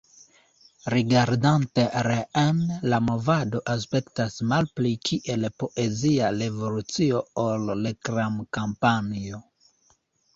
Rigardante reen, la movado aspektas malpli kiel poezia revolucio ol reklam-kampanjo.